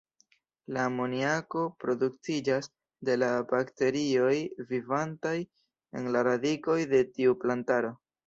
La amoniako produktiĝas de la bakterioj vivantaj en la radikoj de tiu plantaro.